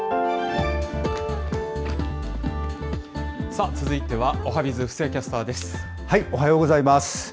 さあ続いてはおはＢｉｚ、おはようございます。